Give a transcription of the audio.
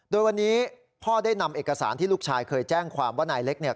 โดยวันนี้พ่อได้นำเอกสารที่ลูกชายเคยแจ้งความว่านายเล็กเนี่ย